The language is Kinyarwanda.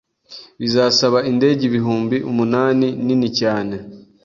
bizasaba indege ibihumbi umunani nini cyane